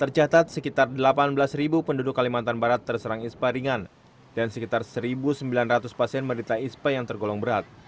tercatat sekitar delapan belas penduduk kalimantan barat terserang ispa ringan dan sekitar satu sembilan ratus pasien menderita ispa yang tergolong berat